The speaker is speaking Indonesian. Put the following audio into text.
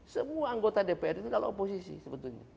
semua anggota dpr itu kalau oposisi sebetulnya